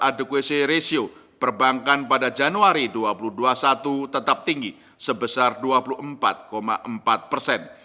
adequacy ratio perbankan pada januari dua ribu dua puluh satu tetap tinggi sebesar dua puluh empat empat persen